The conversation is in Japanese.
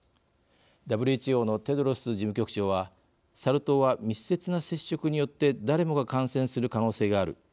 ＷＨＯのテドロス事務局長は「サル痘は、密接な接触によって誰もが感染する可能性がある。